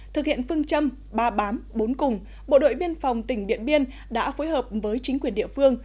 thực hiện phương châm ba bám bốn cùng bộ đội biên phòng tỉnh điện biên đã phối hợp với chính quyền địa phương